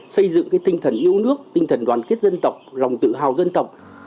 xây dựng tinh thần yêu nước tinh thần đoàn kết dân tộc lòng tự hào dân tộc